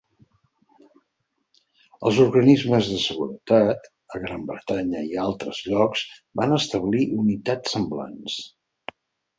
Els organismes de seguretat, a Gran Bretanya i a altres llocs, van establir unitats semblants.